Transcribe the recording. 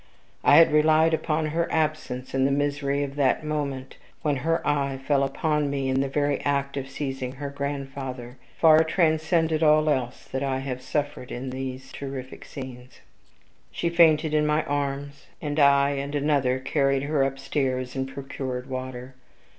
I had relied upon her absence; and the misery of that moment, when her eye fell upon me in the very act of seizing her grandfather, far transcended all else that I have suffered in these terrific scenes. She fainted in my arms, and I and another carried her upstairs and procured water.